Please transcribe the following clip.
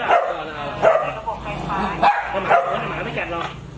แต่ไม่มองไปกัน